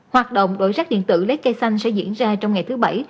hoạt động đổi rác điện tử lấy cây xanh sẽ diễn ra trong ngày thứ bảy